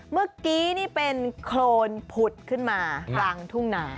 เมื่อกี้นี่เป็นโครนผุดขึ้นมากลางทุ่งนา